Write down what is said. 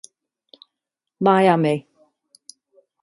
Miami.